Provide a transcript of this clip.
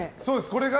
これが。